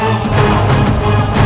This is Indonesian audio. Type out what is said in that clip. aku sudah berhenti